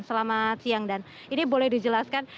selamat siang dan ini boleh dijelaskan